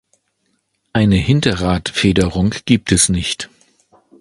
Eine Hinterradfederung gibt es nicht.